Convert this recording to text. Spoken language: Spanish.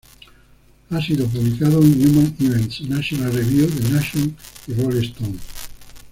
Ha sido publicado en "Human Events", "National Review", "The Nation" y "Rolling Stone".